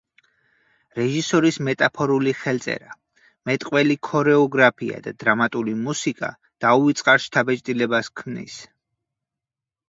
რეჟისორის მეტაფორული ხელწერა, მეტყველი ქორეოგრაფია და დრამატული მუსიკა, დაუვიწყარ შთაბეჭდილებას ქმნის.